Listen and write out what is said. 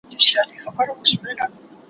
موږ په خټه او په اصل پاچاهان یو